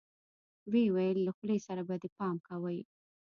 ويې ويل له خولې سره به دې پام کوې.